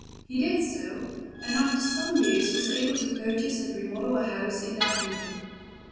He did so, and after some years was able to purchase and remodel a house in the Hamidiyeh.